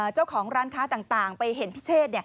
เจ้าของร้านค้าต่างไปเห็นพิเชษ